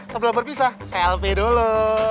sebelum berpisah selfie dulu